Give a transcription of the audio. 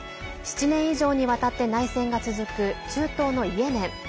７年以上にわたって内戦が続く中東のイエメン。